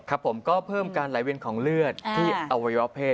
ครับผมก็เพิ่มการไหลเวียนของเลือดที่อวัยวะเพศ